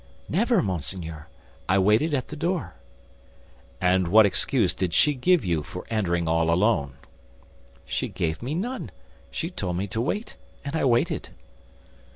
"Never, monseigneur; I waited at the door." "And what excuse did she give you for entering all alone?" "She gave me none; she told me to wait, and I waited."